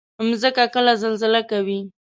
مځکه کله زلزله کوي.